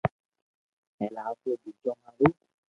ھين آپري ٻچو ھارو